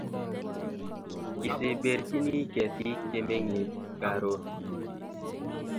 Kiseberchini ketik chemengech karoon